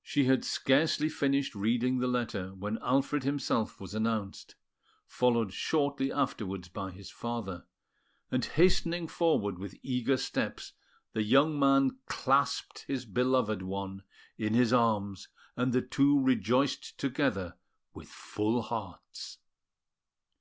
She had scarcely finished reading the letter when Alfred himself was announced, followed shortly afterwards by his father; and hastening forward with eager steps, the young man clasped his beloved one in his arms, and the two rejoiced together with full hearts.